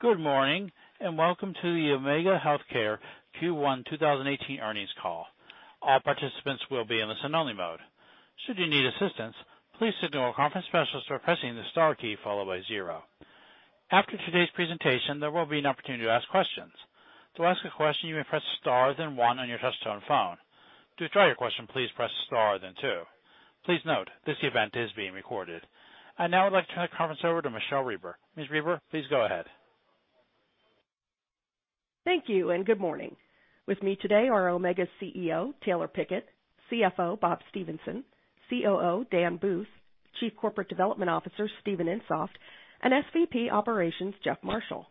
Good morning, welcome to the Omega Healthcare Q1 2018 earnings call. All participants will be in listen-only mode. Should you need assistance, please signal a conference specialist by pressing the star key followed by zero. After today's presentation, there will be an opportunity to ask questions. To ask a question, you may press star then one on your touch-tone phone. To withdraw your question, please press star then two. Please note, this event is being recorded. I'd now like to turn the conference over to Michele Reber. Ms. Reber, please go ahead. Thank you, good morning. With me today are Omega's CEO, Taylor Pickett, CFO, Bob Stephenson, COO, Dan Booth, Chief Corporate Development Officer, Steven Insoft, and SVP Operations, Jeff Marshall.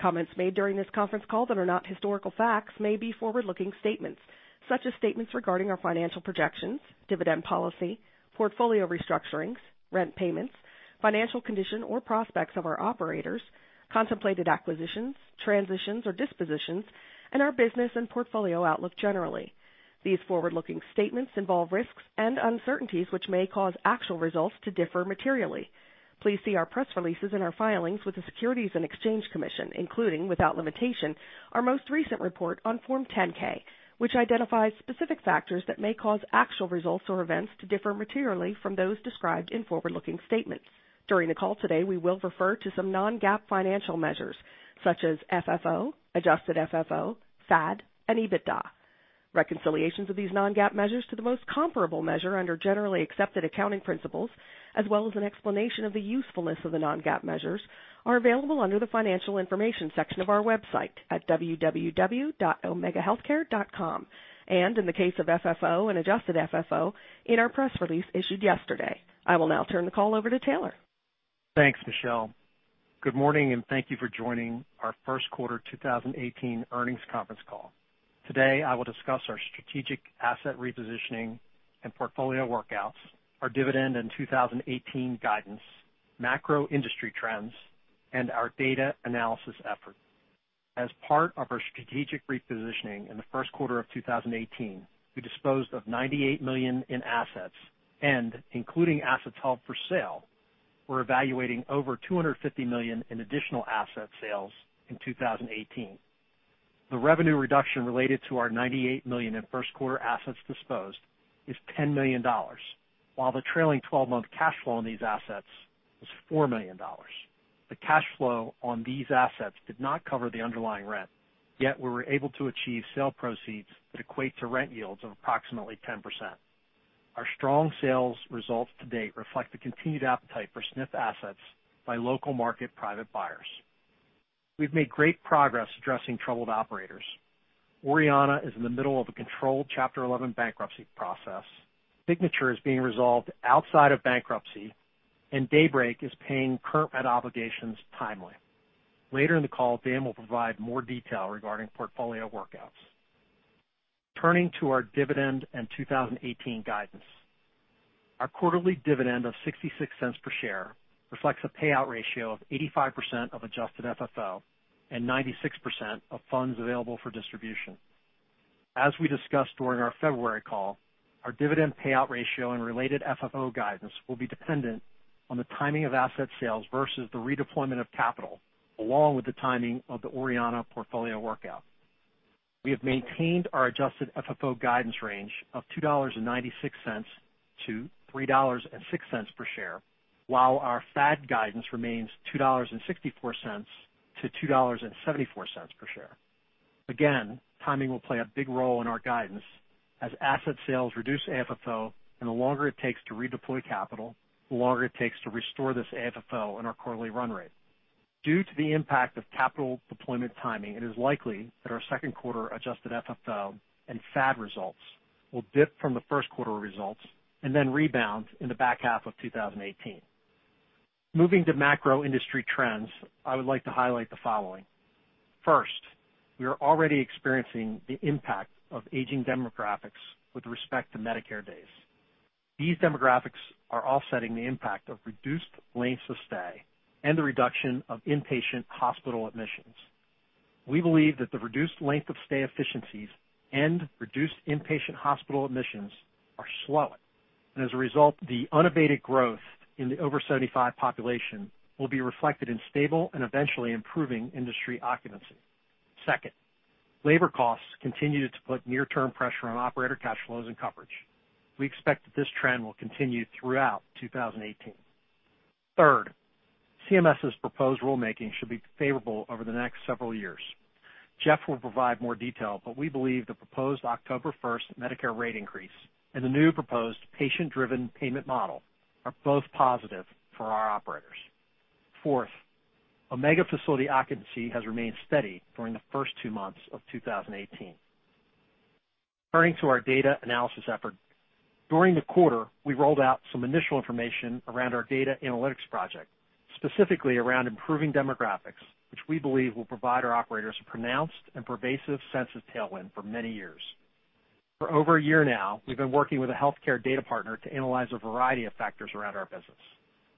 Comments made during this conference call that are not historical facts may be forward-looking statements, such as statements regarding our financial projections, dividend policy, portfolio restructurings, rent payments, financial condition, or prospects of our operators, contemplated acquisitions, transitions, or dispositions, and our business and portfolio outlook generally. These forward-looking statements involve risks and uncertainties which may cause actual results to differ materially. Please see our press releases and our filings with the Securities and Exchange Commission, including, without limitation, our most recent report on Form 10-K, which identifies specific factors that may cause actual results or events to differ materially from those described in forward-looking statements. During the call today, we will refer to some non-GAAP financial measures, such as FFO, adjusted FFO, FAD, and EBITDA. Reconciliations of these non-GAAP measures to the most comparable measure under generally accepted accounting principles, as well as an explanation of the usefulness of the non-GAAP measures, are available under the Financial Information section of our website at www.omegahealthcare.com, and in the case of FFO and adjusted FFO, in our press release issued yesterday. I will now turn the call over to Taylor. Thanks, Michele. Good morning, thank you for joining our first quarter 2018 earnings conference call. Today, I will discuss our strategic asset repositioning and portfolio workouts, our dividend and 2018 guidance, macro industry trends, and our data analysis effort. As part of our strategic repositioning in the first quarter of 2018, we disposed of $98 million in assets, including assets held for sale, we're evaluating over $250 million in additional asset sales in 2018. The revenue reduction related to our $98 million in first quarter assets disposed is $10 million, while the trailing 12-month cash flow on these assets was $4 million. The cash flow on these assets did not cover the underlying rent, yet we were able to achieve sale proceeds that equate to rent yields of approximately 10%. Our strong sales results to date reflect the continued appetite for SNF assets by local market private buyers. We've made great progress addressing troubled operators. Orianna is in the middle of a controlled Chapter 11 bankruptcy process, Signature is being resolved outside of bankruptcy, and Daybreak is paying current rent obligations timely. Later in the call, Dan will provide more detail regarding portfolio workouts. Turning to our dividend and 2018 guidance. Our quarterly dividend of $0.66 per share reflects a payout ratio of 85% of adjusted FFO and 96% of funds available for distribution. As we discussed during our February call, our dividend payout ratio and related FFO guidance will be dependent on the timing of asset sales versus the redeployment of capital, along with the timing of the Orianna portfolio workout. We have maintained our adjusted FFO guidance range of $2.96-$3.06 per share, while our FAD guidance remains $2.64-$2.74 per share. Timing will play a big role in our guidance, as asset sales reduce AFFO, and the longer it takes to redeploy capital, the longer it takes to restore this AFFO in our quarterly run rate. Due to the impact of capital deployment timing, it is likely that our second quarter adjusted FFO and FAD results will dip from the first quarter results and then rebound in the back half of 2018. Moving to macro industry trends, I would like to highlight the following. First, we are already experiencing the impact of aging demographics with respect to Medicare days. These demographics are offsetting the impact of reduced lengths of stay and the reduction of inpatient hospital admissions. We believe that the reduced length of stay efficiencies and reduced inpatient hospital admissions are slowing, and as a result, the unabated growth in the over 75 population will be reflected in stable and eventually improving industry occupancy. Second, labor costs continue to put near-term pressure on operator cash flows and coverage. We expect that this trend will continue throughout 2018. Third, CMS's proposed rulemaking should be favorable over the next several years. Jeff will provide more detail, but we believe the proposed October 1st Medicare rate increase and the new proposed patient-driven payment model are both positive for our operators. Fourth, Omega facility occupancy has remained steady during the first two months of 2018. Turning to our data analysis effort. During the quarter, we rolled out some initial information around our data analytics project, specifically around improving demographics, which we believe will provide our operators a pronounced and pervasive sense of tailwind for many years. For over a year now, we've been working with a healthcare data partner to analyze a variety of factors around our business.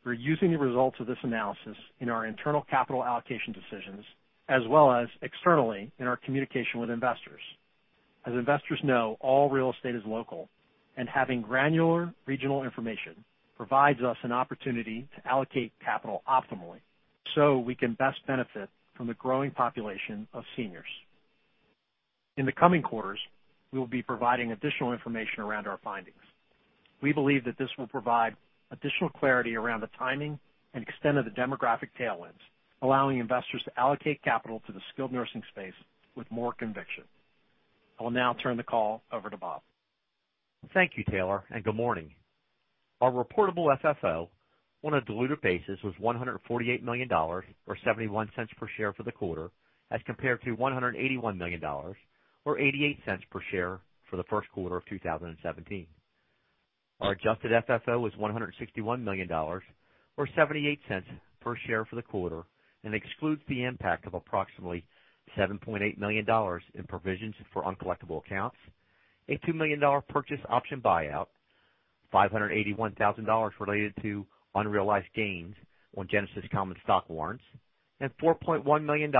We're using the results of this analysis in our internal capital allocation decisions, as well as externally in our communication with investors. As investors know, all real estate is local, and having granular regional information provides us an opportunity to allocate capital optimally so we can best benefit from the growing population of seniors. In the coming quarters, we will be providing additional information around our findings. We believe that this will provide additional clarity around the timing and extent of the demographic tailwinds, allowing investors to allocate capital to the skilled nursing space with more conviction. I will now turn the call over to Bob. Thank you, Taylor, and good morning. Our reportable FFO on a diluted basis was $148 million, or $0.71 per share for the quarter, as compared to $181 million or $0.88 per share for the first quarter of 2017. Our adjusted FFO was $161 million or $0.78 per share for the quarter and excludes the impact of approximately $7.8 million in provisions for uncollectible accounts, a $2 million purchase option buyout, $581,000 related to unrealized gains on Genesis common stock warrants, and $4.1 million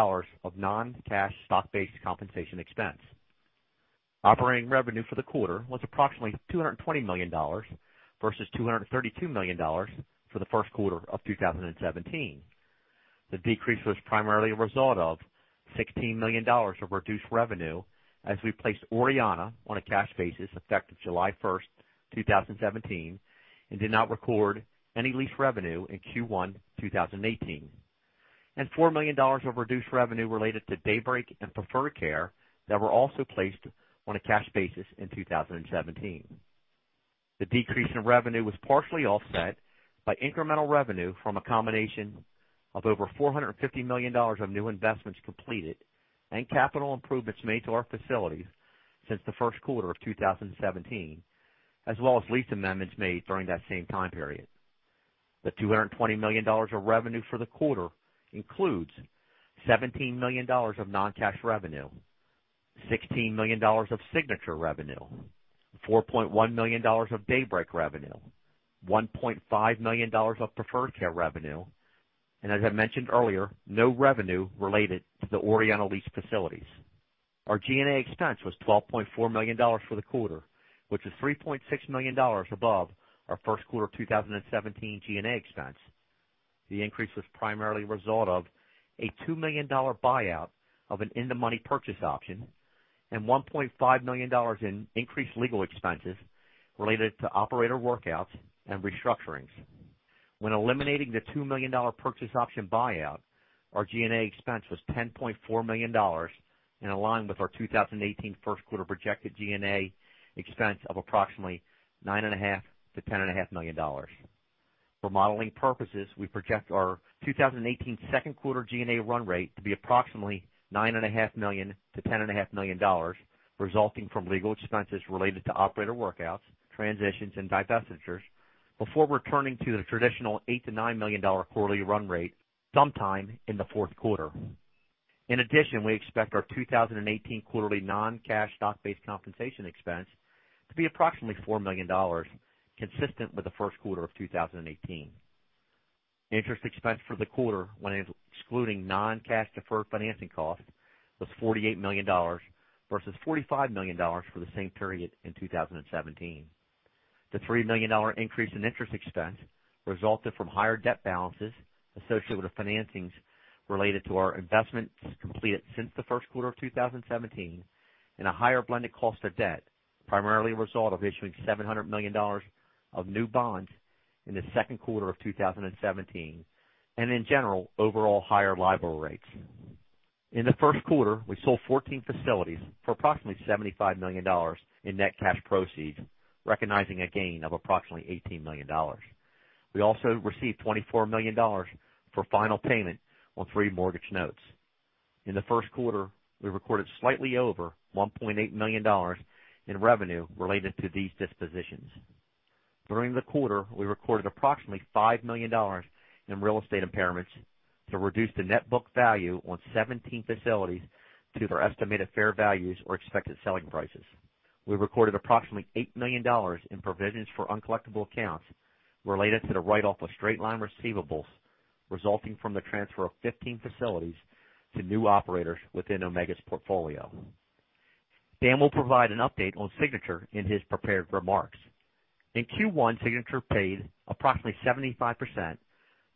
of non-cash stock-based compensation expense. Operating revenue for the quarter was approximately $220 million versus $232 million for the first quarter of 2017. The decrease was primarily a result of $16 million of reduced revenue as we placed Orianna on a cash basis effective July 1st, 2017, and did not record any lease revenue in Q1 2018, and $4 million of reduced revenue related to Daybreak and Preferred Care that were also placed on a cash basis in 2017. The decrease in revenue was partially offset by incremental revenue from a combination of over $450 million of new investments completed and capital improvements made to our facilities since the first quarter of 2017, as well as lease amendments made during that same time period. The $220 million of revenue for the quarter includes $17 million of non-cash revenue, $16 million of Signature revenue, $4.1 million of Daybreak revenue, $1.5 million of Preferred Care revenue, and as I mentioned earlier, no revenue related to the Orianna leased facilities. Our G&A expense was $12.4 million for the quarter, which is $3.6 million above our first quarter 2017 G&A expense. The increase was primarily a result of a $2 million buyout of an in-the-money purchase option and $1.5 million in increased legal expenses related to operator workouts and restructurings. When eliminating the $2 million purchase option buyout, our G&A expense was $10.4 million and aligned with our 2018 first quarter projected G&A expense of approximately $9.5 million-$10.5 million. For modeling purposes, we project our 2018 second quarter G&A run rate to be approximately $9.5 million-$10.5 million, resulting from legal expenses related to operator workouts, transitions, and divestitures before returning to the traditional $8 million-$9 million quarterly run rate sometime in the fourth quarter. In addition, we expect our 2018 quarterly non-cash stock-based compensation expense to be approximately $4 million, consistent with the first quarter of 2018. Interest expense for the quarter, when excluding non-cash deferred financing costs, was $48 million versus $45 million for the same period in 2017. The $3 million increase in interest expense resulted from higher debt balances associated with the financings related to our investments completed since the first quarter of 2017 and a higher blended cost of debt, primarily a result of issuing $700 million of new bonds in the second quarter of 2017, and in general, overall higher LIBOR rates. In the first quarter, we sold 14 facilities for approximately $75 million in net cash proceeds, recognizing a gain of approximately $18 million. We also received $24 million for final payment on three mortgage notes. In the first quarter, we recorded slightly over $1.8 million in revenue related to these dispositions. During the quarter, we recorded approximately $5 million in real estate impairments to reduce the net book value on 17 facilities to their estimated fair values or expected selling prices. We recorded approximately $8 million in provisions for uncollectible accounts related to the write-off of straight-line receivables, resulting from the transfer of 15 facilities to new operators within Omega's portfolio. Dan will provide an update on Signature in his prepared remarks. In Q1, Signature paid approximately 75%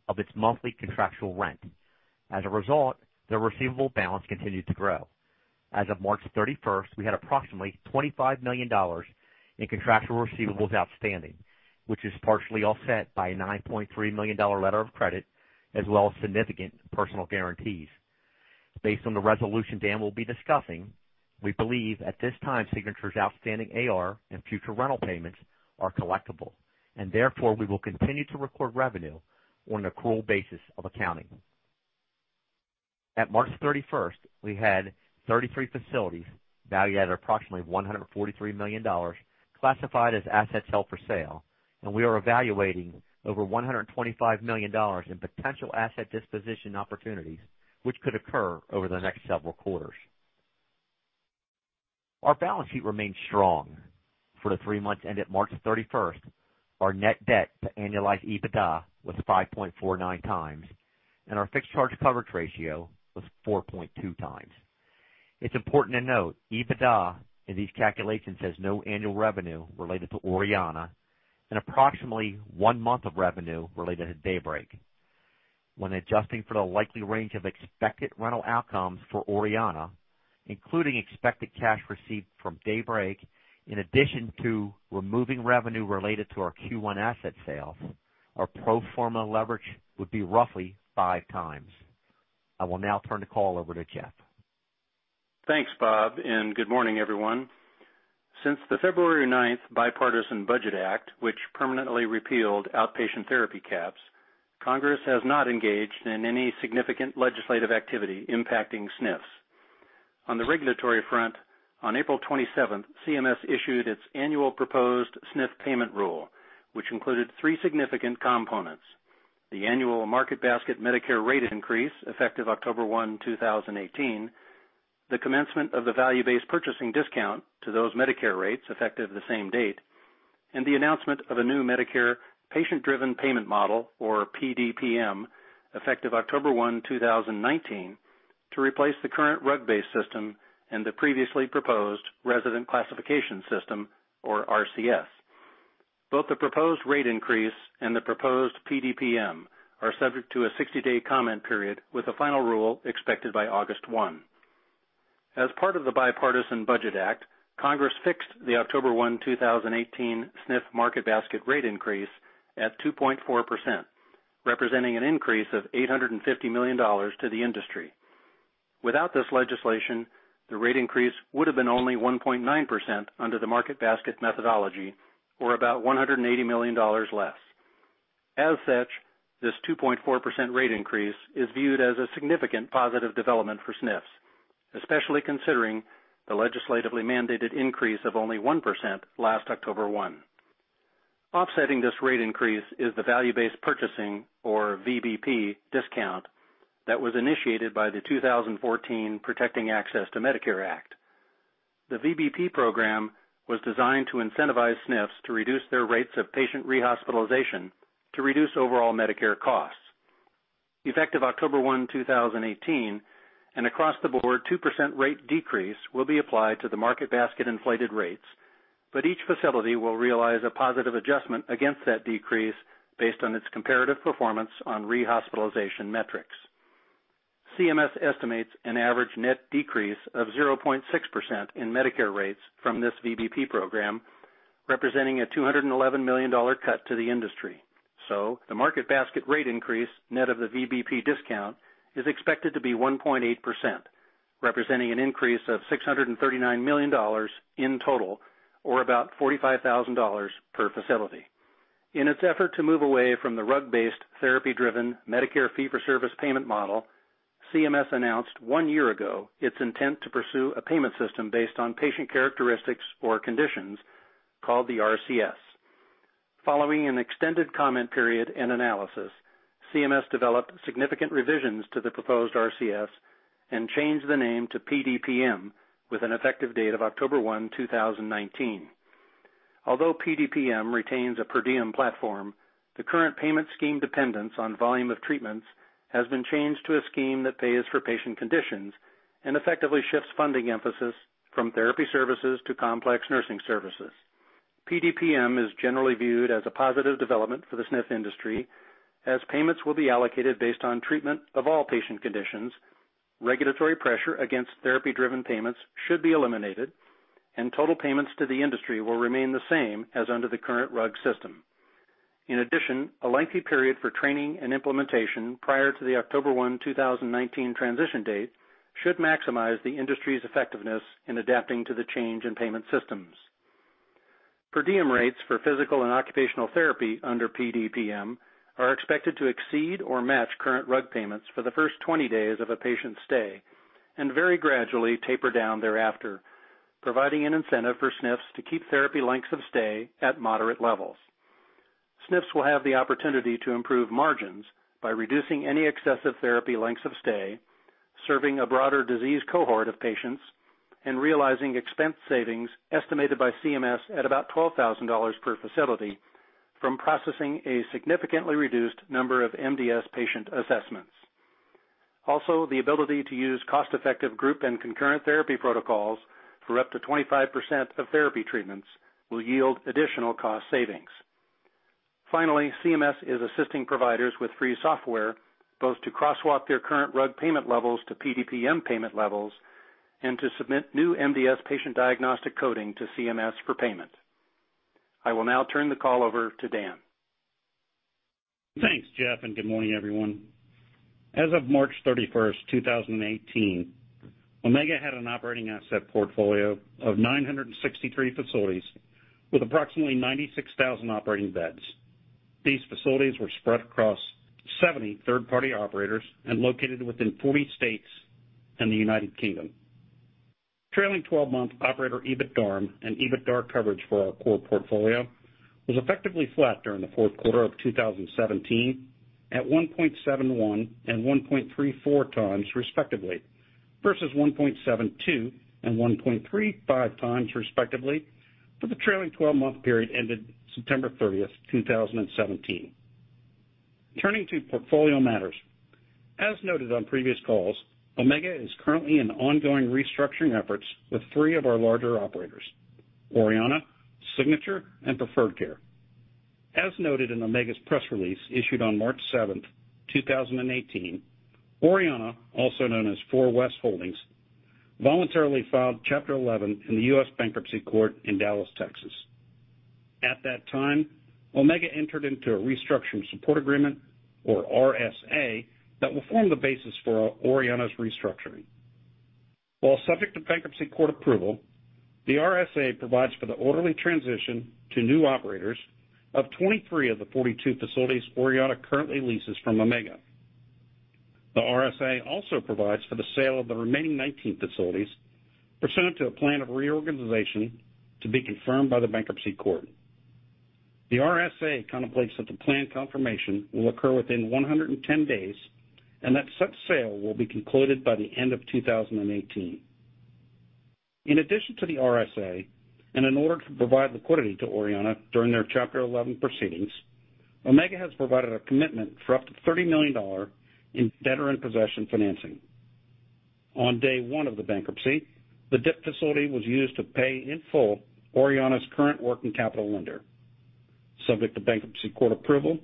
of its monthly contractual rent. As a result, the receivable balance continued to grow. As of March 31st, we had approximately $25 million in contractual receivables outstanding, which is partially offset by a $9.3 million letter of credit, as well as significant personal guarantees. Based on the resolution Dan will be discussing, we believe at this time, Signature's outstanding AR and future rental payments are collectible. Therefore, we will continue to record revenue on an accrual basis of accounting. At March 31st, we had 33 facilities valued at approximately $143 million classified as assets held for sale. We are evaluating over $125 million in potential asset disposition opportunities which could occur over the next several quarters. Our balance sheet remains strong. For the three months ended March 31st, our net debt to annualized EBITDA was 5.49 times. Our fixed charge coverage ratio was 4.2 times. It's important to note, EBITDA in these calculations has no annual revenue related to Orianna and approximately one month of revenue related to Daybreak. When adjusting for the likely range of expected rental outcomes for Orianna, including expected cash received from Daybreak, in addition to removing revenue related to our Q1 asset sale, our pro forma leverage would be roughly five times. I will now turn the call over to Jeff. Thanks, Bob, and good morning, everyone. Since the February ninth Bipartisan Budget Act, which permanently repealed outpatient therapy caps, Congress has not engaged in any significant legislative activity impacting SNFs. On the regulatory front, on April 27th, CMS issued its annual proposed SNF payment rule, which included three significant components. The annual market basket Medicare rate increase, effective October one, 2018, the commencement of the value-based purchasing discount to those Medicare rates, effective the same date, and the announcement of a new Medicare patient-driven payment model, or PDPM, effective October one, 2019, to replace the current RUG-based system and the previously proposed resident classification system, or RCS. Both the proposed rate increase and the proposed PDPM are subject to a 60-day comment period with a final rule expected by August one. As part of the Bipartisan Budget Act, Congress fixed the October one, 2018, SNF market basket rate increase at 2.4%, representing an increase of $850 million to the industry. Without this legislation, the rate increase would have been only 1.9% under the market basket methodology, or about $180 million less. As such, this 2.4% rate increase is viewed as a significant positive development for SNFs, especially considering the legislatively mandated increase of only 1% last October one. Offsetting this rate increase is the value-based purchasing, or VBP discount, that was initiated by the 2014 Protecting Access to Medicare Act. The VBP program was designed to incentivize SNFs to reduce their rates of patient rehospitalization to reduce overall Medicare costs. Effective October one, 2018, an across-the-board 2% rate decrease will be applied to the market basket-inflated rates, each facility will realize a positive adjustment against that decrease based on its comparative performance on rehospitalization metrics. CMS estimates an average net decrease of 0.6% in Medicare rates from this VBP program, representing a $211 million cut to the industry. The market basket rate increase, net of the VBP discount, is expected to be 1.8%, representing an increase of $639 million in total or about $45,000 per facility. In its effort to move away from the RUG-based therapy-driven Medicare fee-for-service payment model, CMS announced one year ago its intent to pursue a payment system based on patient characteristics or conditions, called the RCS. Following an extended comment period and analysis, CMS developed significant revisions to the proposed RCS and changed the name to PDPM with an effective date of October one, 2019. Although PDPM retains a per diem platform, the current payment scheme dependence on volume of treatments has been changed to a scheme that pays for patient conditions and effectively shifts funding emphasis from therapy services to complex nursing services. PDPM is generally viewed as a positive development for the SNF industry, as payments will be allocated based on treatment of all patient conditions. Regulatory pressure against therapy-driven payments should be eliminated, total payments to the industry will remain the same as under the current RUG system. In addition, a lengthy period for training and implementation prior to the October one, 2019, transition date should maximize the industry's effectiveness in adapting to the change in payment systems. Per diem rates for physical and occupational therapy under PDPM are expected to exceed or match current RUG payments for the first 20 days of a patient's stay, and very gradually taper down thereafter, providing an incentive for SNFs to keep therapy lengths of stay at moderate levels. SNFs will have the opportunity to improve margins by reducing any excessive therapy lengths of stay, serving a broader disease cohort of patients, and realizing expense savings estimated by CMS at about $12,000 per facility from processing a significantly reduced number of MDS patient assessments. Also, the ability to use cost-effective group and concurrent therapy protocols for up to 25% of therapy treatments will yield additional cost savings. Finally, CMS is assisting providers with free software, both to crosswalk their current RUG payment levels to PDPM payment levels and to submit new MDS patient diagnostic coding to CMS for payment. I will now turn the call over to Dan. Thanks, Jeff, and good morning, everyone. As of March 31st, 2018, Omega had an operating asset portfolio of 963 facilities with approximately 96,000 operating beds. These facilities were spread across 70 third-party operators and located within 40 states and the U.K. Trailing 12-month operator EBITDARM and EBITDAR coverage for our core portfolio was effectively flat during the fourth quarter of 2017, at 1.71 and 1.34 times respectively. Versus 1.72 and 1.35 times respectively for the trailing 12-month period ended September 30th, 2017. Turning to portfolio matters. As noted on previous calls, Omega is currently in ongoing restructuring efforts with three of our larger operators, Orianna, Signature, and Preferred Care. As noted in Omega's press release issued on March 7th, 2018, Orianna, also known as 4 West Holdings, voluntarily filed Chapter 11 in the U.S. Bankruptcy Court in Dallas, Texas. At that time, Omega entered into a restructuring support agreement, or RSA, that will form the basis for Orianna's restructuring. While subject to bankruptcy court approval, the RSA provides for the orderly transition to new operators of 23 of the 42 facilities Orianna currently leases from Omega. The RSA also provides for the sale of the remaining 19 facilities, pursuant to a plan of reorganization to be confirmed by the bankruptcy court. The RSA contemplates that the plan confirmation will occur within 110 days, and that such sale will be concluded by the end of 2018. In addition to the RSA, and in order to provide liquidity to Orianna during their Chapter 11 proceedings, Omega has provided a commitment for up to $30 million in debtor-in-possession financing. On day one of the bankruptcy, the DIP facility was used to pay in full Orianna's current working capital lender. Subject to bankruptcy court approval,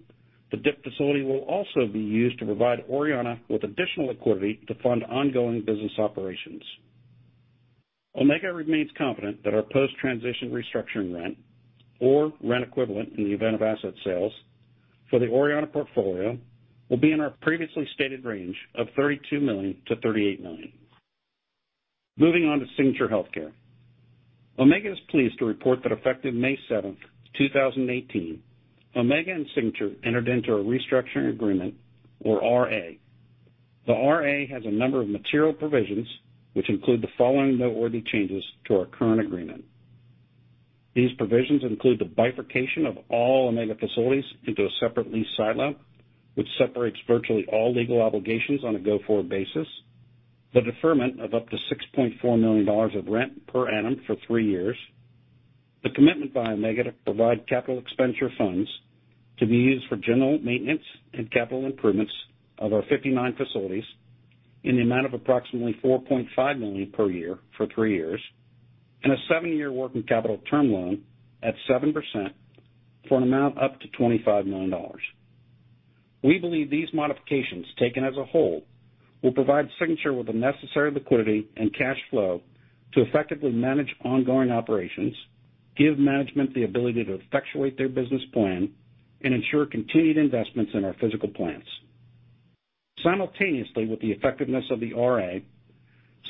the DIP facility will also be used to provide Orianna with additional liquidity to fund ongoing business operations. Omega remains confident that our post-transition restructuring rent, or rent equivalent in the event of asset sales, for the Orianna portfolio will be in our previously stated range of $32 million-$38 million. Moving on to Signature HealthCARE. Omega is pleased to report that effective May 7th, 2018, Omega and Signature entered into a restructuring agreement, or RA. The RA has a number of material provisions, which include the following noteworthy changes to our current agreement. These provisions include the bifurcation of all Omega facilities into a separate lease silo, which separates virtually all legal obligations on a go-forward basis, the deferment of up to $6.4 million of rent per annum for three years, the commitment by Omega to provide capital expenditure funds to be used for general maintenance and capital improvements of our 59 facilities in the amount of approximately $4.5 million per year for three years, and a seven-year working capital term loan at 7% for an amount up to $25 million. We believe these modifications, taken as a whole, will provide Signature with the necessary liquidity and cash flow to effectively manage ongoing operations, give management the ability to effectuate their business plan, and ensure continued investments in our physical plants. Simultaneously with the effectiveness of the RA,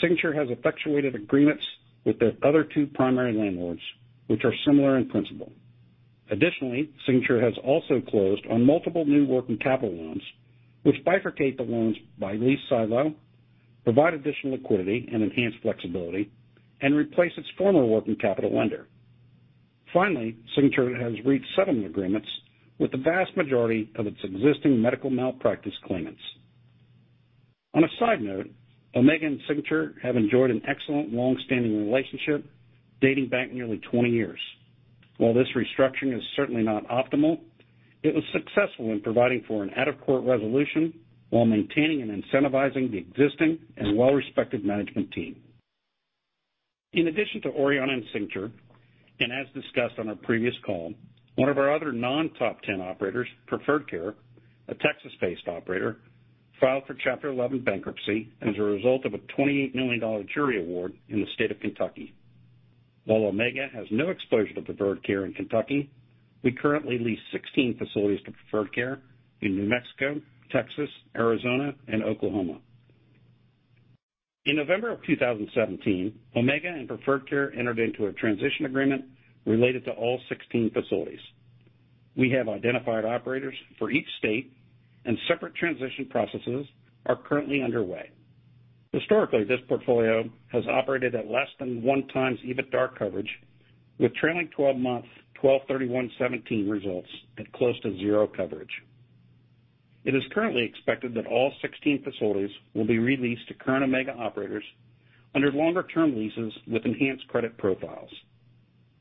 Signature has effectuated agreements with their other two primary landlords, which are similar in principle. Additionally, Signature has also closed on multiple new working capital loans, which bifurcate the loans by lease silo, provide additional liquidity and enhanced flexibility, and replace its former working capital lender. Finally, Signature has reached settlement agreements with the vast majority of its existing medical malpractice claimants. On a side note, Omega and Signature have enjoyed an excellent long-standing relationship dating back nearly 20 years. While this restructuring is certainly not optimal, it was successful in providing for an out-of-court resolution while maintaining and incentivizing the existing and well-respected management team. In addition to Orianna and Signature, and as discussed on our previous call, one of our other non-top 10 operators, Preferred Care, a Texas-based operator, filed for Chapter 11 bankruptcy as a result of a $28 million jury award in the state of Kentucky. While Omega has no exposure to Preferred Care in Kentucky, we currently lease 16 facilities to Preferred Care in New Mexico, Texas, Arizona, and Oklahoma. In November of 2017, Omega and Preferred Care entered into a transition agreement related to all 16 facilities. We have identified operators for each state and separate transition processes are currently underway. Historically, this portfolio has operated at less than one times EBITDA coverage, with trailing 12 months 12/31/2017 results at close to zero coverage. It is currently expected that all 16 facilities will be re-leased to current Omega operators under longer-term leases with enhanced credit profiles.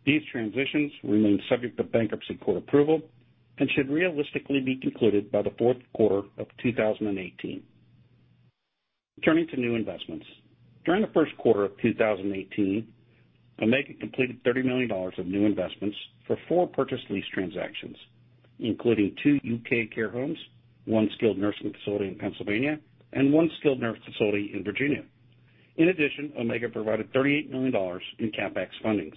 These transitions remain subject to bankruptcy court approval and should realistically be concluded by the fourth quarter of 2018. Turning to new investments. During the first quarter of 2018, Omega completed $30 million of new investments for four purchase lease transactions, including two U.K. care homes, one skilled nursing facility in Pennsylvania, and one skilled nursing facility in Virginia. In addition, Omega provided $38 million in CapEx fundings.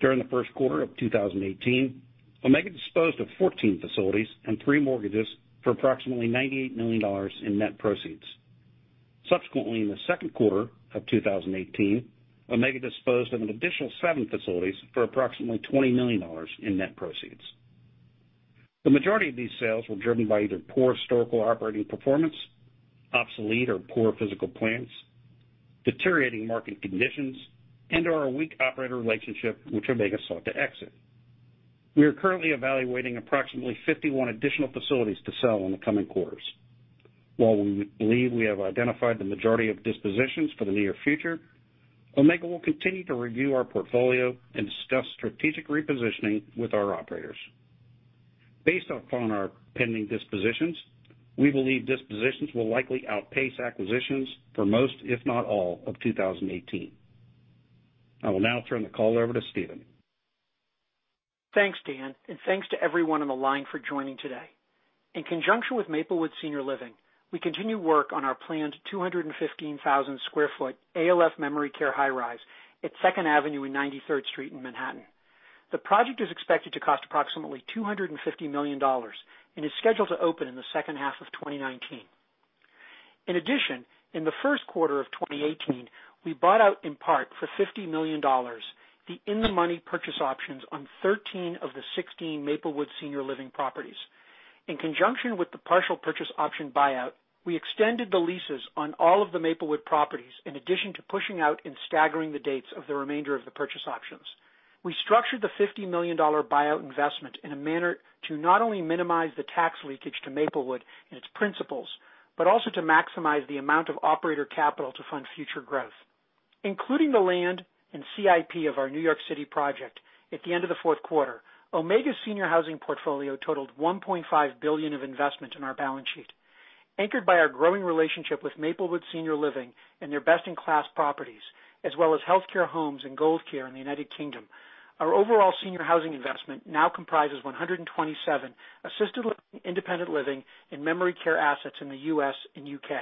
During the first quarter of 2018, Omega disposed of 14 facilities and three mortgages for approximately $98 million in net proceeds. Subsequently, in the second quarter of 2018, Omega disposed of an additional seven facilities for approximately $20 million in net proceeds. The majority of these sales were driven by either poor historical operating performance, obsolete or poor physical plans, deteriorating market conditions, and/or a weak operator relationship which Omega sought to exit. We are currently evaluating approximately 51 additional facilities to sell in the coming quarters. While we believe we have identified the majority of dispositions for the near future, Omega will continue to review our portfolio and discuss strategic repositioning with our operators. Based upon our pending dispositions, we believe dispositions will likely outpace acquisitions for most, if not all, of 2018. I will now turn the call over to Steven. Thanks, Dan, and thanks to everyone on the line for joining today. In conjunction with Maplewood Senior Living, we continue work on our planned 215,000 sq ft ALF memory care high rise at 2nd Avenue and 93rd Street in Manhattan. The project is expected to cost approximately $250 million and is scheduled to open in the second half of 2019. In addition, in the first quarter of 2018, we bought out, in part, for $50 million, the in-the-money purchase options on 13 of the 16 Maplewood Senior Living properties. In conjunction with the partial purchase option buyout, we extended the leases on all of the Maplewood properties, in addition to pushing out and staggering the dates of the remainder of the purchase options. We structured the $50 million buyout investment in a manner to not only minimize the tax leakage to Maplewood and its principals, but also to maximize the amount of operator capital to fund future growth. Including the land and CIP of our New York City project at the end of the fourth quarter, Omega's senior housing portfolio totaled $1.5 billion of investment in our balance sheet. Anchored by our growing relationship with Maplewood Senior Living and their best-in-class properties, as well as Healthcare Homes and Gold Care in the U.K., our overall senior housing investment now comprises 127 assisted living, independent living, and memory care assets in the U.S. and U.K.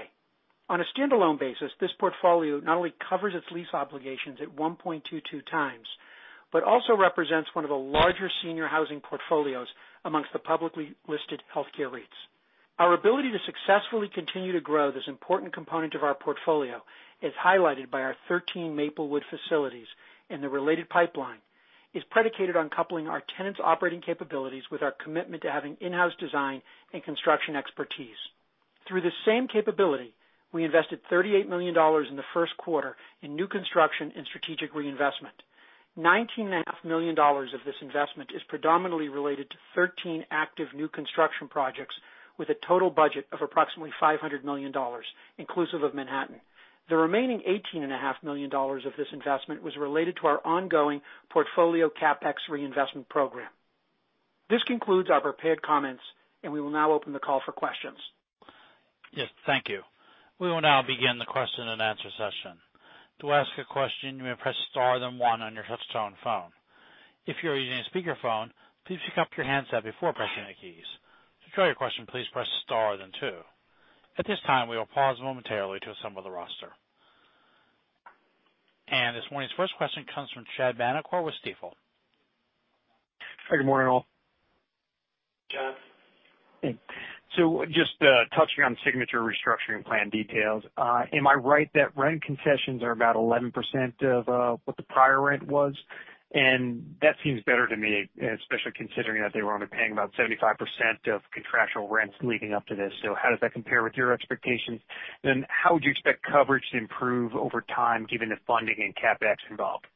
On a standalone basis, this portfolio not only covers its lease obligations at 1.22 times, but also represents one of the larger senior housing portfolios amongst the publicly listed healthcare REITs. Our ability to successfully continue to grow this important component of our portfolio is highlighted by our 13 Maplewood facilities, and the related pipeline is predicated on coupling our tenants' operating capabilities with our commitment to having in-house design and construction expertise. Through this same capability, we invested $38 million in the first quarter in new construction and strategic reinvestment. $19.5 million of this investment is predominantly related to 13 active new construction projects with a total budget of approximately $500 million, inclusive of Manhattan. The remaining $18.5 million of this investment was related to our ongoing portfolio CapEx reinvestment program. This concludes our prepared comments, we will now open the call for questions. Yes. Thank you. We will now begin the question and answer session. To ask a question, you may press star, then one on your touchtone phone. If you're using a speakerphone, please pick up your handset before pressing the keys. To withdraw your question, please press star, then two. At this time, we will pause momentarily to assemble the roster. This morning's first question comes from Chad Vanacore with Stifel. Hi, good morning, all. Chad. Just touching on Signature restructuring plan details, am I right that rent concessions are about 11% of what the prior rent was? That seems better to me, especially considering that they were only paying about 75% of contractual rents leading up to this. How does that compare with your expectations? How would you expect coverage to improve over time, given the funding and CapEx involved?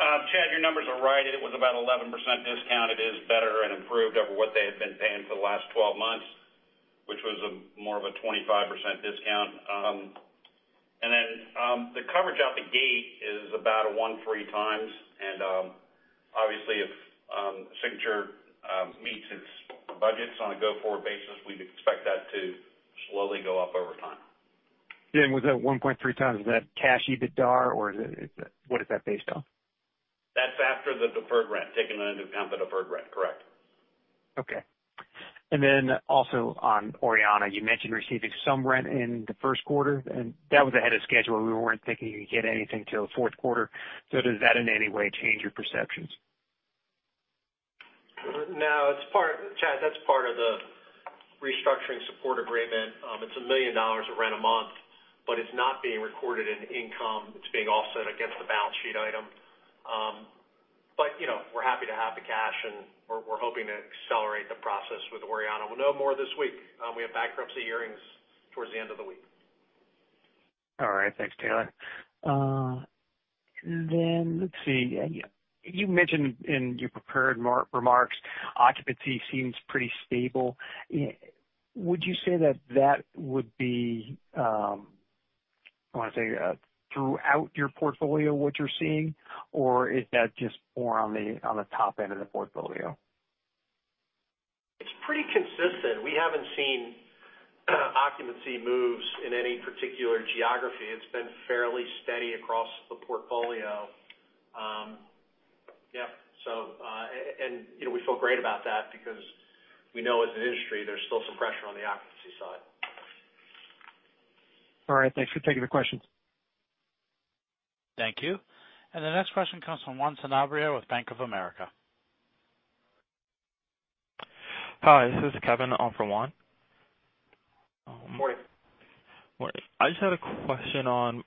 Chad, your numbers are right. It was about 11% discount. It is better and improved over what they had been paying for the last 12 months, which was more of a 25% discount. The coverage out the gate is about a 1.3 times, obviously if Signature meets its budgets on a go-forward basis, we'd expect that to slowly go up over time. Dan, was that 1.3 times, is that cash EBITDA, or what is that based off? That's after the deferred rent, taking into account the deferred rent. Correct. Okay. Also on Orianna, you mentioned receiving some rent in the first quarter, and that was ahead of schedule. We weren't thinking you'd get anything till the fourth quarter. Does that in any way change your perceptions? No. Chad, that's part of the restructuring support agreement. It's $1 million of rent a month, but it's not being recorded in income. It's being offset against the balance sheet item. We're happy to have the cash, and we're hoping to accelerate the process with Orianna. We'll know more this week. We have bankruptcy hearings towards the end of the week. All right. Thanks, Taylor. Let's see. You mentioned in your prepared remarks, occupancy seems pretty stable. Would you say that that would be, I want to say, throughout your portfolio what you're seeing, or is that just more on the top end of the portfolio? It's pretty consistent. We haven't seen occupancy moves in any particular geography. It's been fairly steady across the portfolio. Yep. We feel great about that because we know as an industry, there's still some pressure on the occupancy side. All right, thanks for taking the questions. Thank you. The next question comes from Juan Sanabria with Bank of America. Hi, this is Kevin on for Juan. Morning. Morning. I just had a question on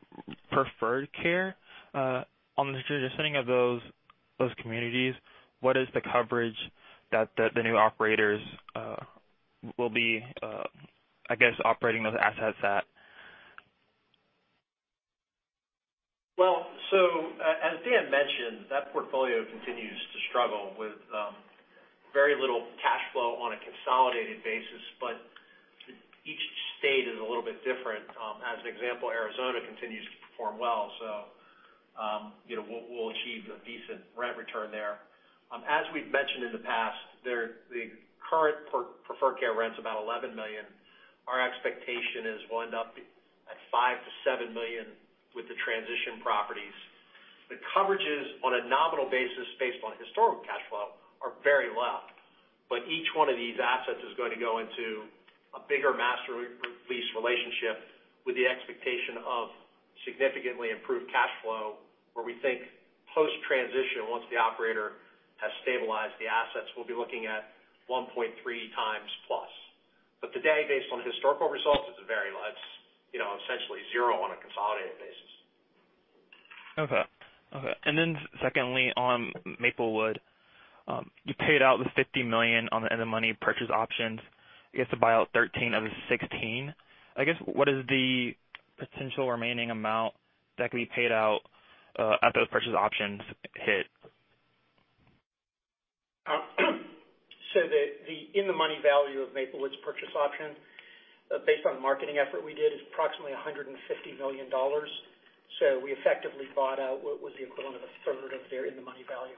Preferred Care. On the repositioning of those communities, what is the coverage that the new operators will be operating those assets at? As Dan mentioned, that portfolio continues to struggle with very little cash flow on a consolidated basis, but each state is a little bit different. As an example, Arizona continues to perform well, so we'll achieve a decent rent return there. As we've mentioned in the past, the current Preferred Care rent's about $11 million. Our expectation is we'll end up at $5 million-$7 million with the transition properties. The coverages on a nominal basis based on historical cash flow are very low. Each one of these assets is going to go into a bigger master lease relationship with the expectation of significantly improved cash flow, where we think post-transition, once the operator has stabilized the assets, we'll be looking at 1.3 times plus. Today, based on historical results, it's very less, essentially zero on a consolidated basis. Secondly, on Maplewood, you paid out the $50 million on the in the money purchase options, I guess to buy out 13 of the 16. I guess, what is the potential remaining amount that could be paid out as those purchase options hit? The in the money value of Maplewood's purchase option, based on marketing effort we did, is approximately $150 million. We effectively bought out what was the equivalent of a third of their in the money value.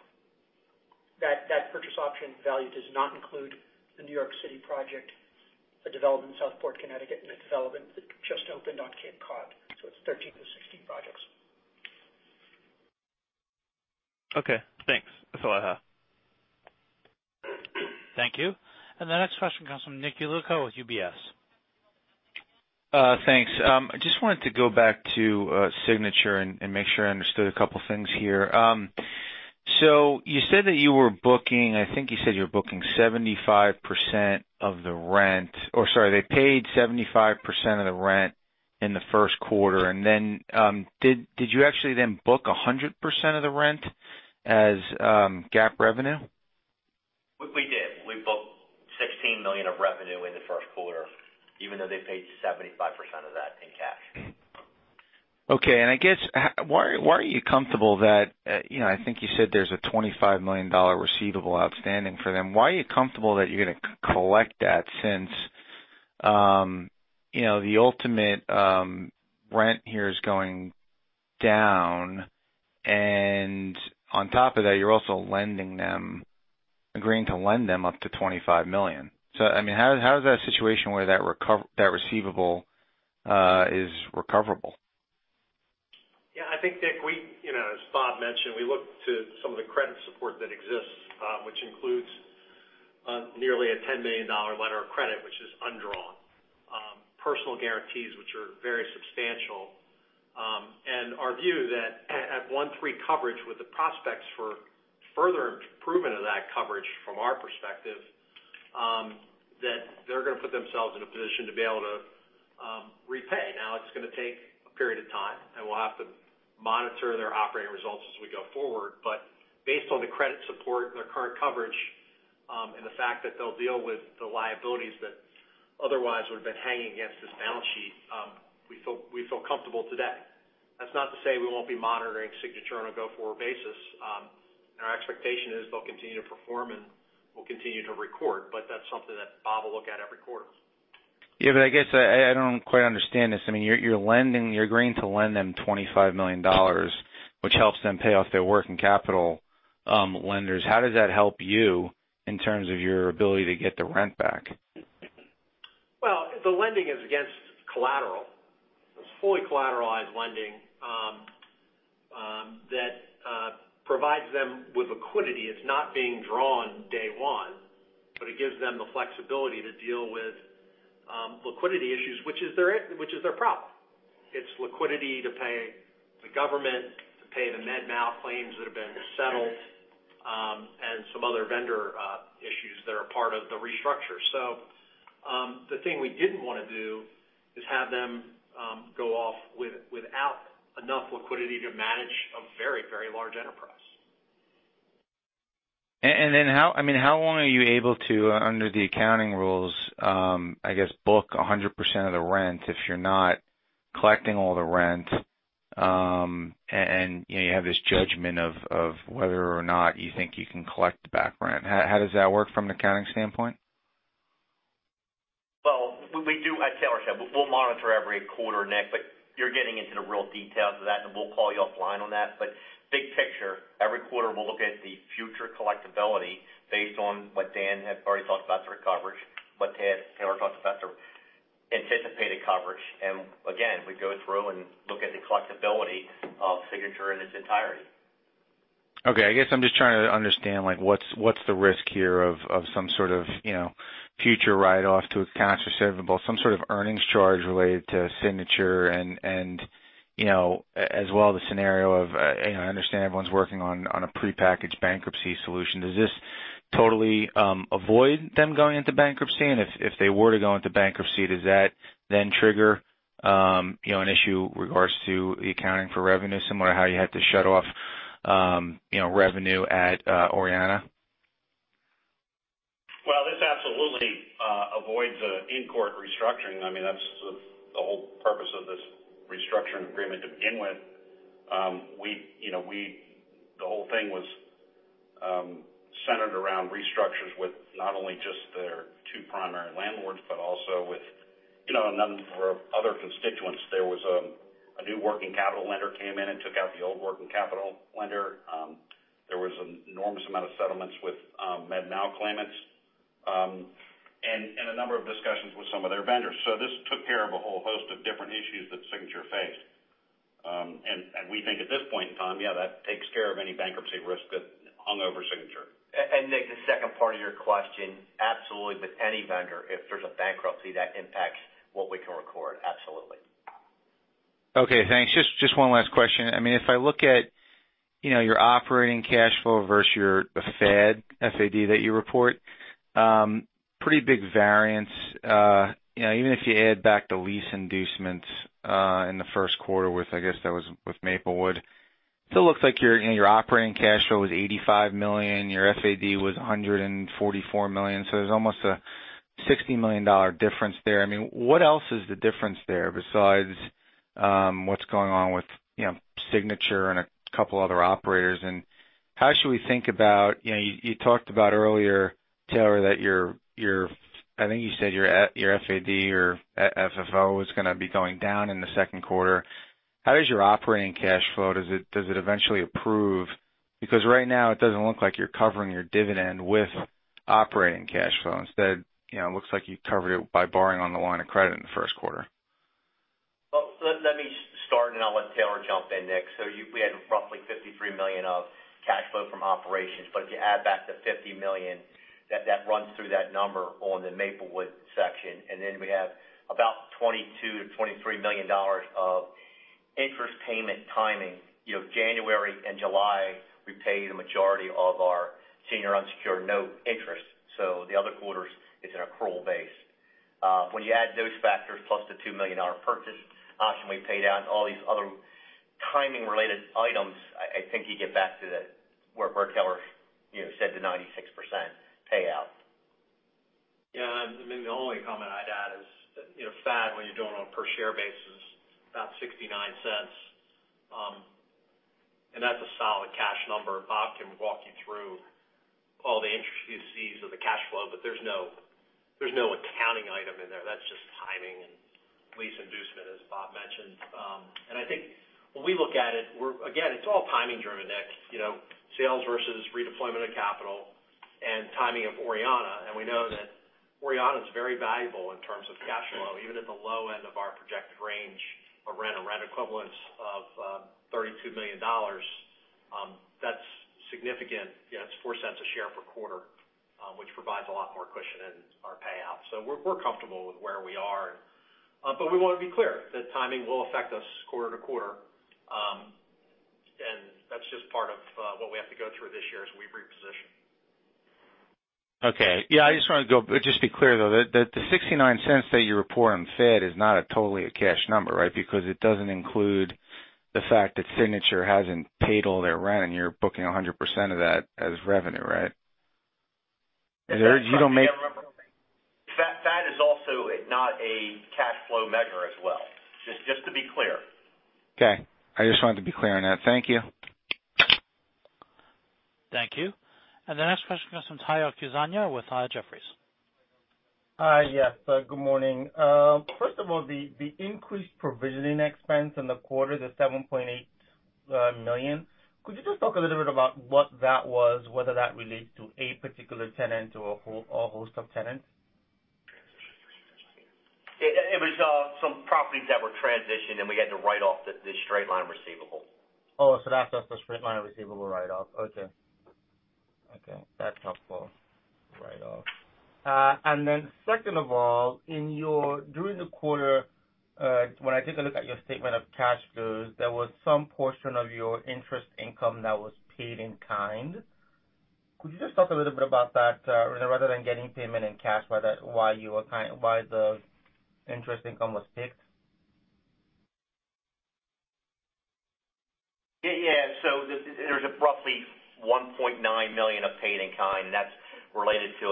That purchase option value does not include the New York City project, the development in Southport, Connecticut, and the development that just opened on Cape Cod. It's 13 of the 16 projects. Okay, thanks. That's all I have. Thank you. The next question comes from Nick Holowko with UBS. Thanks. I just wanted to go back to Signature and make sure I understood a couple of things here. You said that you were booking, I think you said you were booking 75% of the rent, or sorry, they paid 75% of the rent in the first quarter. Then did you actually then book 100% of the rent as GAAP revenue? We did. We booked $16 million of revenue in the first quarter, even though they paid 75% of that in cash. Okay. I guess, why are you comfortable that, I think you said there's a $25 million receivable outstanding for them. Why are you comfortable that you're going to collect that since the ultimate rent here is going down and on top of that, you're also agreeing to lend them up to $25 million. How is that situation where that receivable is recoverable? I think, Nick, as Bob mentioned, we look to some of the credit support that exists, which includes nearly a $10 million letter of credit, which is undrawn. Personal guarantees, which are very substantial, and our view that at 1-3 coverage with the prospects for further improvement of that coverage from our perspective, that they're going to put themselves in a position to be able to repay. It's going to take a period of time, we'll have to monitor their operating results as we go forward. Based on the credit support and their current coverage, and the fact that they'll deal with the liabilities that otherwise would've been hanging against this balance sheet, we feel comfortable today. That's not to say we won't be monitoring Signature on a go-forward basis. Our expectation is they'll continue to perform, and we'll continue to record, but that's something that Bob will look at every quarter. I guess I don't quite understand this. You're agreeing to lend them $25 million, which helps them pay off their working capital lenders. How does that help you in terms of your ability to get the rent back? Well, the lending is against collateral. It's fully collateralized lending that provides them with liquidity. It's not being drawn day one, but it gives them the flexibility to deal with liquidity issues, which is their problem. It's liquidity to pay the government, to pay the med mal claims that have been settled, and some other vendor issues that are part of the restructure. The thing we didn't want to do is have them go off without enough liquidity to manage a very, very large enterprise. How long are you able to, under the accounting rules, I guess, book 100% of the rent if you're not collecting all the rent, and you have this judgment of whether or not you think you can collect the back rent. How does that work from an accounting standpoint? Well, as Taylor Pickett said, we'll monitor every quarter, Nick Holowko, but you're getting into the real details of that, and we'll call you offline on that. Big picture, every quarter, we'll look at the future collectability based on what Daniel J. Booth has already talked about for coverage, what Taylor Pickett talked about for anticipated coverage. Again, we go through and look at the collectability of Signature HealthCARE in its entirety. Okay. I guess I'm just trying to understand what's the risk here of some sort of future write-off to accounts receivable, some sort of earnings charge related to Signature HealthCARE and as well the scenario of, I understand everyone's working on a prepackaged bankruptcy solution. Does this totally avoid them going into bankruptcy? If they were to go into bankruptcy, does that then trigger an issue with regards to the accounting for revenue, similar to how you had to shut off revenue at Orianna? Absolutely avoids an in-court restructuring. That's the whole purpose of this restructuring agreement to begin with. The whole thing was centered around restructures with not only just their two primary landlords, but also with a number of other constituents. There was a new working capital lender came in and took out the old working capital lender. There was an enormous amount of settlements with med mal claimants, a number of discussions with some of their vendors. This took care of a whole host of different issues that Signature HealthCARE faced. We think at this point in time, yeah, that takes care of any bankruptcy risk that hung over Signature HealthCARE. Nick Holowko, the second part of your question, absolutely with any vendor, if there's a bankruptcy that impacts what we can record. Absolutely. Okay, thanks. Just one last question. If I look at your operating cash flow versus your FAD, F-A-D, that you report, pretty big variance. Even if you add back the lease inducements, in the first quarter with, I guess that was with Maplewood Senior Living, still looks like your operating cash flow was $85 million, your FAD was $144 million. There's almost a $60 million difference there. What else is the difference there besides what's going on with Signature HealthCARE and a couple other operators? How should we think about, you talked about earlier, Taylor, I think you said your FAD or FFO is going to be going down in the second quarter. How does your operating cash flow, does it eventually improve? Because right now it doesn't look like you're covering your dividend with operating cash flow. Instead, it looks like you covered it by borrowing on the line of credit in the first quarter. Well, let me start and I'll let Taylor jump in, Nick. We had roughly $53 million of cash flow from operations. If you add back the $50 million that runs through that number on the Maplewood Senior Living section, and then we have about $22 million-$23 million of interest payment timing. January and July, we pay the majority of our senior unsecured note interest. The other quarters is an accrual base. When you add those factors, plus the $2 million purchase option we paid out, all these other timing-related items, I think you get back to where Taylor said the 96% payout. Yeah, maybe the only comment I'd add is FAD, when you're doing it on a per share basis, about $0.69, and that's a solid cash number. Bob can walk you through all the intricacies of the cash flow, there's no accounting item in there. That's just timing and lease inducement, as Bob mentioned. I think when we look at it, again, it's all timing driven, Nick. Sales versus redeployment of capital and timing of Orianna Health Systems. We know that Orianna Health Systems's very valuable in terms of cash flow, even at the low end of our projected range of rent or rent equivalents of $32 million. That's significant. That's $0.04 a share per quarter, which provides a lot more cushion in our payout. We're comfortable with where we are. We want to be clear that timing will affect us quarter to quarter. That's just part of what we have to go through this year as we reposition. Okay. Yeah, I just want to just be clear, though, that the $0.69 that you report on FAD is not a totally a cash number, right? Because it doesn't include the fact that Signature hasn't paid all their rent, and you're booking 100% of that as revenue, right? FAD is also not a cash flow measure as well. Just to be clear. Okay. I just wanted to be clear on that. Thank you. Thank you. The next question comes from Tayo Okusanya with Jefferies. Yes. Good morning. First of all, the increased provisioning expense in the quarter, the $7.8 million, could you just talk a little bit about what that was, whether that relates to a particular tenant or a host of tenants? It was some properties that were transitioned, and we had to write off the straight-line receivables. Oh, that's just a straight-line receivable write-off. Okay. That's helpful. Write-off. Then second of all, during the quarter, when I took a look at your statement of cash flows, there was some portion of your interest income that was paid in kind. Could you just talk a little bit about that, rather than getting payment in cash, why the interest income was PIK'd? Yeah. There's roughly $1.9 million of paid in kind, and that's related to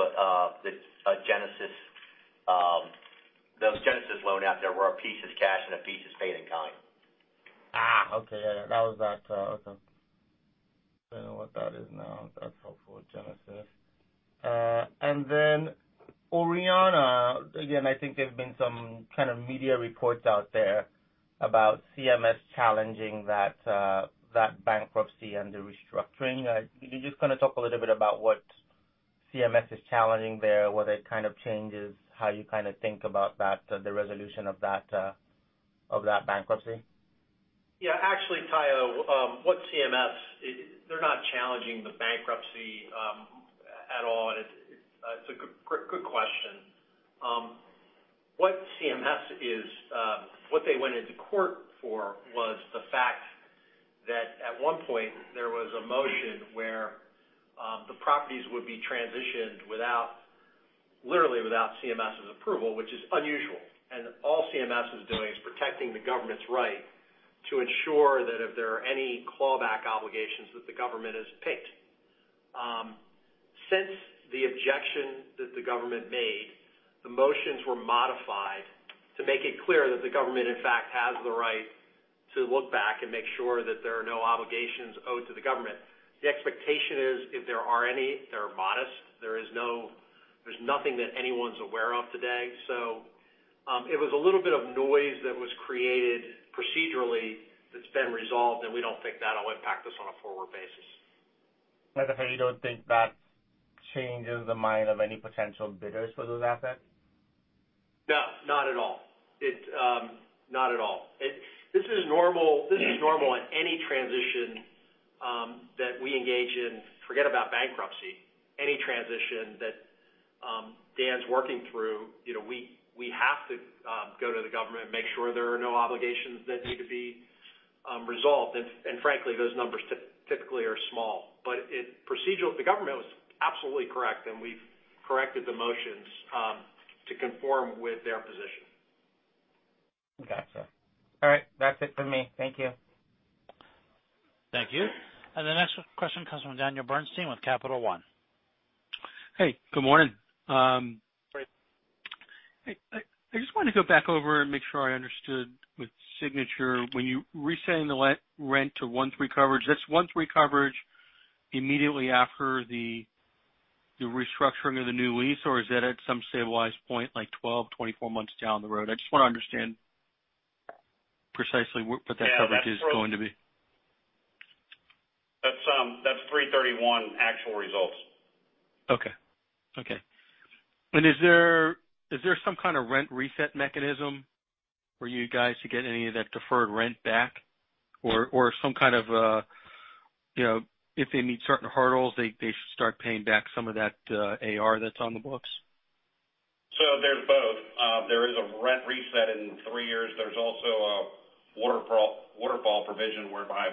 those Genesis loan out there where a piece is cash and a piece is paid in kind. Okay. Yeah. That was that. Okay. I know what that is now. That's helpful. Genesis. Then Orianna, again, I think there's been some kind of media reports out there about CMS challenging that bankruptcy and the restructuring. Can you just kind of talk a little bit about what CMS is challenging there, whether it kind of changes how you kind of think about the resolution of that bankruptcy? Yeah. Actually, Tayo, they're not challenging the bankruptcy at all. It's a good question. What they went into court for was the fact that at one point there was a motion where the properties would be transitioned literally without CMS's approval, which is unusual. All CMS is doing is protecting the government's right to ensure that if there are any clawback obligations that the government has PIK. Since the objection that the government made, the motions were modified to make it clear that the government, in fact, has the right to look back and make sure that there are no obligations owed to the government. The expectation is, if there are any, they're modest. There's nothing that anyone's aware of today. It was a little bit of noise that was created procedurally that's been resolved, and we don't think that'll impact us on a forward basis. Like, if you don't think that changes the mind of any potential bidders for those assets? No, not at all. This is normal in any transition that we engage in. Forget about bankruptcy. Any transition that Dan's working through, we have to go to the government and make sure there are no obligations that need to be resolved. Frankly, those numbers typically are small. The government was absolutely correct, and we've corrected the motions to conform with their position. Okay. All right. That's it from me. Thank you. Thank you. The next question comes from Daniel Bernstein with Capital One. Hey, good morning. Great. Hey, I just wanted to go back over and make sure I understood with Signature, when you're resetting the rent to one three coverage, that's one three coverage immediately after the restructuring of the new lease or is that at some stabilized point like 12, 24 months down the road? I just want to understand precisely what that coverage- Yeah, that's- -is going to be. That's 331 actual results. Is there some kind of rent reset mechanism for you guys to get any of that deferred rent back? Or some kind of a, if they meet certain hurdles, they start paying back some of that AR that's on the books? There's both. There is a rent reset in three years. There's also a waterfall provision whereby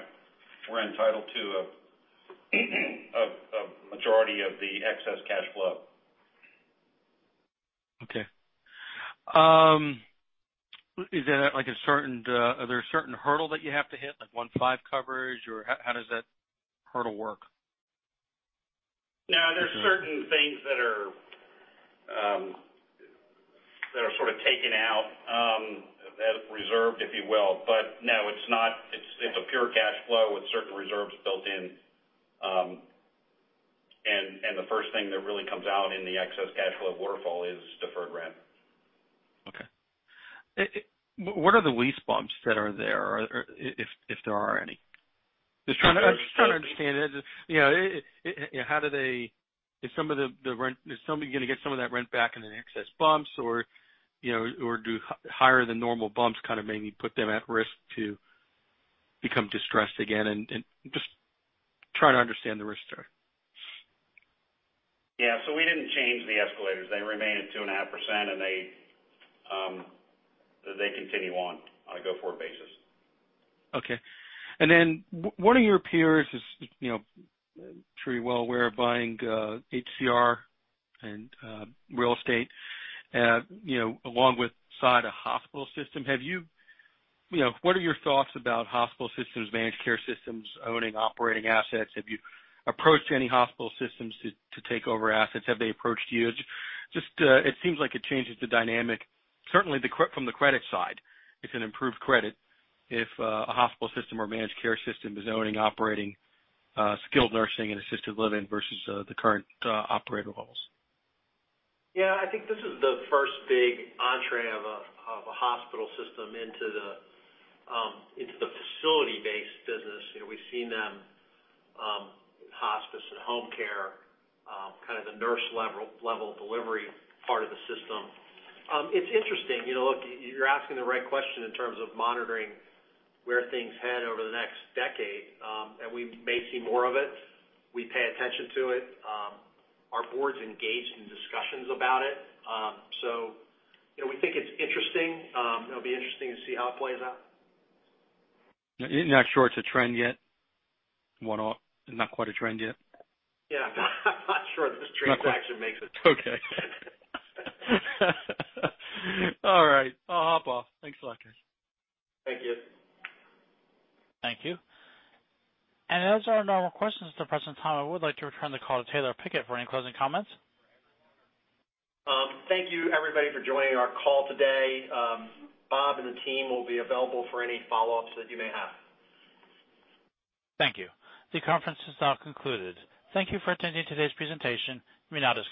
we're entitled to a majority of the excess cash flow. Okay. Are there certain hurdle that you have to hit, like 1.5x coverage, or how does that hurdle work? No, there's certain things that are sort of taken out, reserved, if you will. No, it's a pure cash flow with certain reserves built in. The first thing that really comes out in the excess cash flow waterfall is deferred rent. Okay. What are the lease bumps that are there, if there are any? There shouldn't be. Just trying to understand. Is somebody going to get some of that rent back in an excess bumps or do higher than normal bumps kind of maybe put them at risk to become distressed again and just trying to understand the risks there. Yeah. We didn't change the escalators. They remain at 2.5% and they continue on a go forward basis. Okay. One of your peers is pretty well aware of buying HCR and real estate, alongside a hospital system. What are your thoughts about hospital systems, managed care systems, owning operating assets? Have you approached any hospital systems to take over assets? Have they approached you? It seems like it changes the dynamic. Certainly, from the credit side, it's an improved credit if a hospital system or managed care system is owning operating skilled nursing and assisted living versus the current operator models. Yeah, I think this is the first big entree of a hospital system into the facility-based business. We've seen them, hospice and home care, kind of the nurse level delivery part of the system. It's interesting. Look, you're asking the right question in terms of monitoring where things head over the next decade, we may see more of it. We pay attention to it. Our board's engaged in discussions about it. We think it's interesting. It'll be interesting to see how it plays out. You're not sure it's a trend yet? Not quite a trend yet? Yeah. I'm not sure this transaction makes it. Okay. All right. I'll hop off. Thanks a lot, guys. Thank you. Thank you. Those are all our questions at the present time. I would like to return the call to Taylor Pickett for any closing comments. Thank you everybody for joining our call today. Bob and the team will be available for any follow-ups that you may have. Thank you. The conference is now concluded. Thank you for attending today's presentation. You may disconnect.